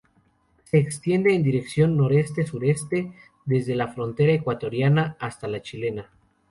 Se extiende en dirección noroeste-sureste desde la frontera ecuatoriana hasta la chilena.